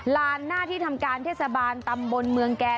ลานหน้าที่ทำการเทศบาลตำบลเมืองแก่